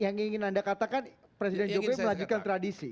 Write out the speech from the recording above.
yang ini yang ingin anda katakan presiden jokowi melagikan tradisi